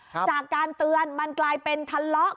จากการเตือนมันกลายเป็นทะเลาะ